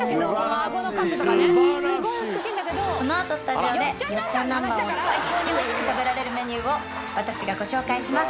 このあとスタジオでよっちゃんなんばんを最高に美味しく食べられるメニューを私がご紹介します。